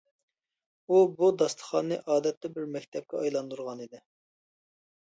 ئۇ بۇ داستىخاننى ئادەتتە بىر مەكتەپكە ئايلاندۇرغانىدى.